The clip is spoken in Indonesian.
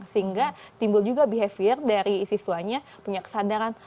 sehingga timbul juga behavior dari siswanya punya kesadaran